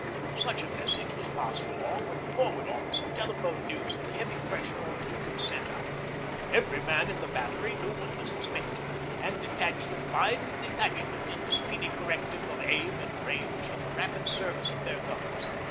Such a message was passed along when the Forward Officer telephoned news of the heavy pressure on the weakened centre. Every man in the Battery knew what was expected, and detachment vied with detachment in the speedy correcting of aim and range, and the rapid service of their guns.